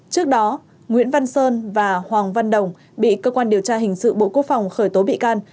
trước đó nguyễn văn sơn và hoàng văn đồng bị cơ quan điều tra hình sự bộ quốc phòng khởi tố bị can